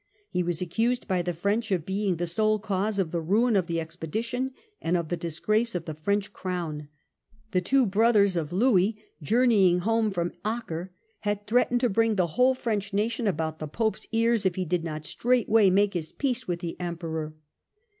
He was accused by the French of being the sole cause of the ruin of the expedition and of the disgrace of the French Crown. The two brothers of Louis journeyed home from Acre and threatened to bring the whole French nation about the Pope's ears if he did not straight way make his peace with the Emperor.